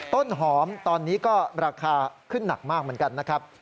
ต้นหอมตอนนี้ก็ราคาขึ้นหนักมากเหมือนกันนะครับ